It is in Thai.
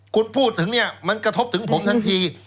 คุณพูดถึงเนี่ยมันกระทบถึงผมทันที